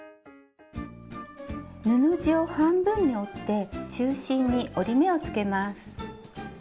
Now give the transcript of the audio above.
布地を半分に折って中心に折り目をつけます。